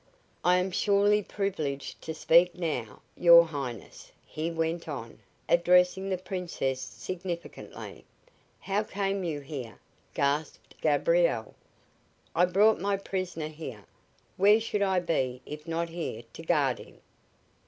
"I am surely privileged to speak now, your Highness," he went on, addressing the Princess significantly. "How came you here?" gasped Gabriel. "I brought my prisoner here. Where should I be if not here to guard him?"